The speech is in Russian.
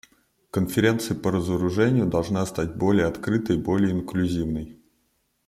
Конференция по разоружению должна стать более открытой и более инклюзивной.